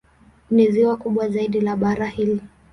Ni ziwa kubwa zaidi la bara hili.